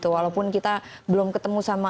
walaupun kita belum ketemu sama